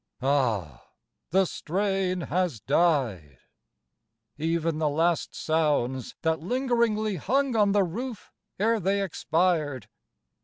Ah, the strain Has died ev'n the last sounds that lingeringly Hung on the roof ere they expired!